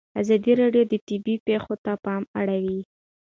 ازادي راډیو د طبیعي پېښې ته پام اړولی.